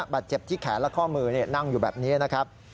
บาดเจ็บที่แขนและข้อมือนั่งอยู่แบบนี้นะครับ